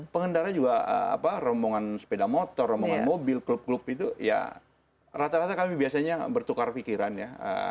pengendara juga rombongan sepeda motor rombongan mobil klub klub itu ya rata rata kami biasanya bertukar pikiran ya